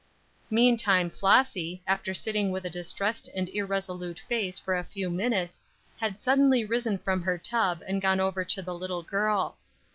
Meantime Flossy, after sitting with a distressed and irresolute face for a few minutes, had suddenly risen from her tub and gone over to the little girl.